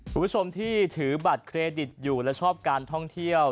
คุณผู้ชมที่ถือบัตรเครดิตอยู่และชอบการท่องเที่ยว